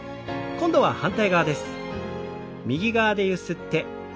今度は反対側です。